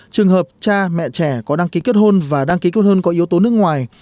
trường hợp cha mẹ trẻ có đăng ký kết hôn và đăng ký tốt hơn có yếu tố nước ngoài